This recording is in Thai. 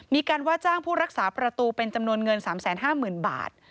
มีการว่าจ้างผู้รักษาประตูเป็นจำนวนเงินสามแสนห้าหมื่นบาท